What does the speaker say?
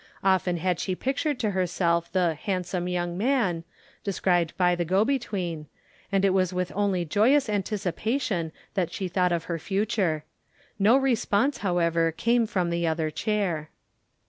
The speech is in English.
Often had she pictured to herself the "handsome young man" described by the "go between," and it was with only joyous anticipation that she thought of the future. No response, however, came from the other chair.